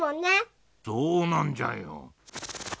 そうなんじゃよ。